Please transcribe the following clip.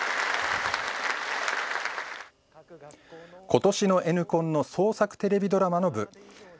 今年のＮコンの創作テレビドラマの部。